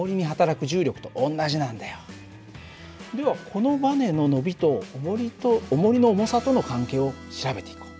このばねの伸びとおもりの重さとの関係を調べていこう。